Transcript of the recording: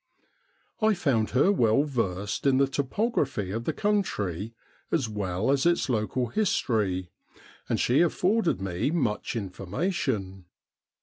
I found her well versed in the topography of the country as well as its local history, and she afforded me much information.